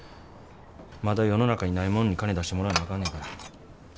まだ世の中にないもんに金出してもらわなあかんねんから。